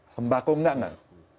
sembako enggak enggak